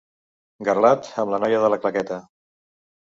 Garlat amb la noia de la claqueta.